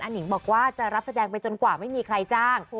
หนิงบอกว่าจะรับแสดงไปจนกว่าไม่มีใครจ้าง